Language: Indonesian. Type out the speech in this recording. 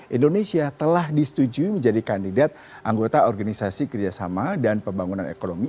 indonesia telah disetujui menjadi kandidat anggota organisasi kerjasama dan pembangunan ekonomi